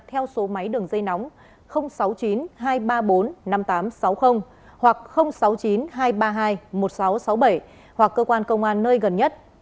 theo số máy đường dây nóng sáu mươi chín hai trăm ba mươi bốn năm nghìn tám trăm sáu mươi hoặc sáu mươi chín hai trăm ba mươi hai một nghìn sáu trăm sáu mươi bảy hoặc cơ quan công an nơi gần nhất